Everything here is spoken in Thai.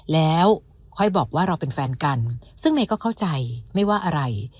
แล้วค่อยบอกว่าเราเป็นแฟนกันซึ่งเมย์ก็เข้าใจไม่ว่าอะไร